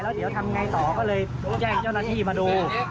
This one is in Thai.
แล้วเดี๋ยวทำไงต่อก็เลยแจ้งเจ้าหน้าที่มาดู